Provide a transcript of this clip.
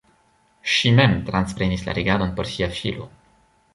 Ŝi mem transprenis la regadon por sia filo.